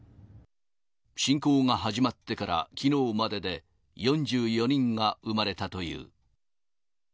侵攻が始まってから、きのうまでで４４人が産まれたという。